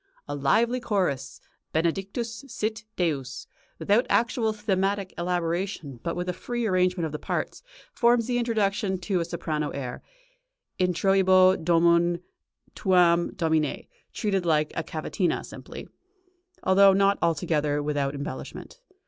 A lively chorus Benedictus sit Deus, without actual thematic elaboration but with a free arrangement of the parts, forms the introduction to a soprano air, Introibo domum tuam domine treated like a cavatina, simply, although not altogether with out embellishment.